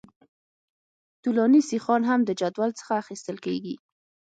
طولاني سیخان هم د جدول څخه اخیستل کیږي